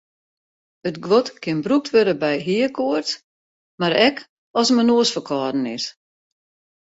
It guod kin brûkt wurde by heakoarts mar ek as men noasferkâlden is.